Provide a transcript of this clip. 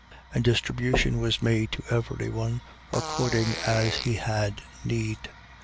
And distribution was made to every one, according as he had need.